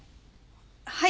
はい。